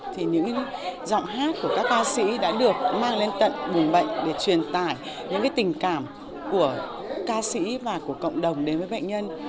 thì những giọng hát của các ca sĩ đã được mang lên tận bùm bệnh để truyền tải những tình cảm của ca sĩ và của cộng đồng đến với bệnh nhân